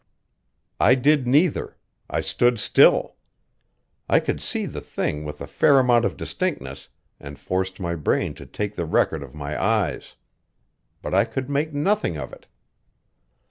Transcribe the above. I did neither; I stood still. I could see the thing with a fair amount of distinctness and forced my brain to take the record of my eyes. But I could make nothing of it.